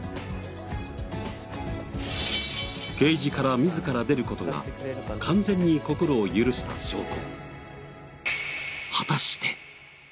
ケージから自ら出る事が完全に心を許した証拠。